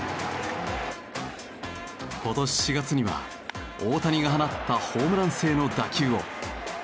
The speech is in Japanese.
今年４月には大谷が放ったホームラン性の打球を。